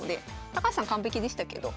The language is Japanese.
高橋さん完璧でしたけど。